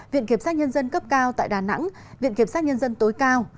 viện kiểm soát nhân dân cấp cao tại đà nẵng viện kiểm sát nhân dân tối cao